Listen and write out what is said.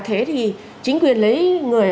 thế thì chính quyền lấy người